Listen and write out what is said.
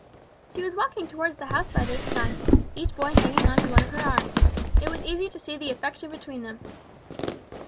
They were walking toward the house by this time, each boy hanging on to one of her arms. It was easy to see the affection between them.